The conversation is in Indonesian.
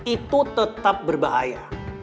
itu tetap berbahaya